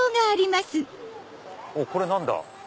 これ何だ？